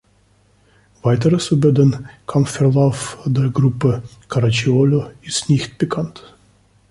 Weiteres über den Kampfverlauf der Gruppe Caracciolo ist nicht bekannt.